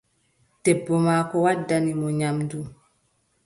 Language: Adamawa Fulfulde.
Debbo maako waddani mo nyamndu.